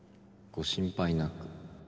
ご心配なく。